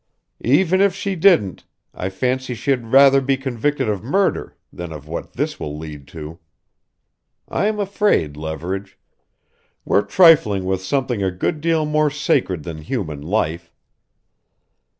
"Even if she didn't I fancy she'd rather be convicted of murder than of what this will lead to. I'm afraid, Leverage. We're trifling with something a good deal more sacred than human life.